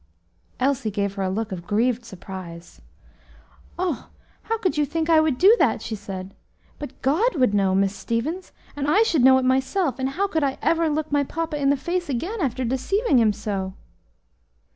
Elsie gave her a look of grieved surprise. "Oh! could you think I would do that?" she said. "But God would know, Miss Stevens; and I should know it myself, and how could I ever look my papa in the face again after deceiving him so?"